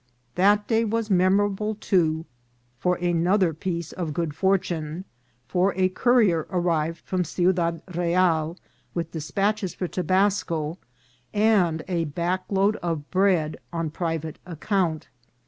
That day was memorable, too, for another piece of good fortune ; for a courier ar rived from Ciudad Real with despatches for Tobasco, and a back load of bread on private account.